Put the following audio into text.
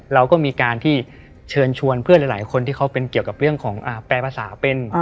เราก็มีการที่เชิญชวนเพื่อนหลายคนที่เขาเป็นเกี่ยวกับเรื่องของแปลภาษาเป็น